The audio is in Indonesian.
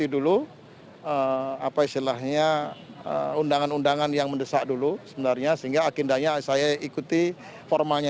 dan juga mengungkapkan bahwa ini adalah sebuah perjalanan yang sangat penting